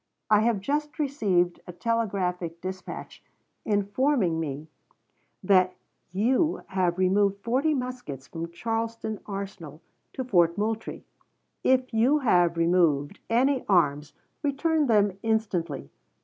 I have just received a telegraphic dispatch informing me that you have removed forty muskets from Charleston arsenal to Fort Moultrie. If you have removed any arms return them instantly.